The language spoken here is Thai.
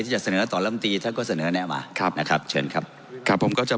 จะเสนอต่อลำตีท่านก็เสนอแนวมาครับนะครับเชิญครับครับผมก็จะ